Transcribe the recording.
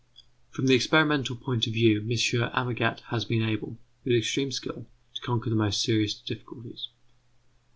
From the experimental point of view, M. Amagat has been able, with extreme skill, to conquer the most serious difficulties.